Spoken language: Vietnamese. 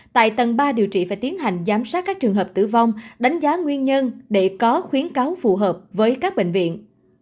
tại tầng ba điều trị phải tiến hành giám sát các trường hợp tử vong đánh giá nguyên nhân để có khuyến cáo phù hợp với các bệnh viện